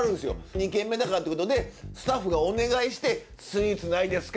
２軒目だからっていうことでスタッフがお願いして「スイーツないですか？」